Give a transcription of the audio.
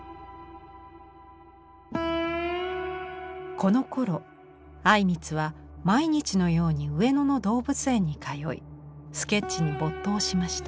このころ靉光は毎日のように上野の動物園に通いスケッチに没頭しました。